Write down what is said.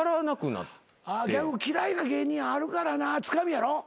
ギャグ嫌いな芸人あるからなつかみやろ？